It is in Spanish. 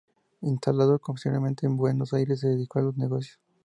Instalado posteriormente en Buenos Aires, se dedicó a los negocios.